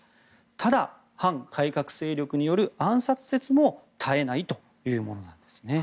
ただ反改革勢力による暗殺説も絶えないというものです。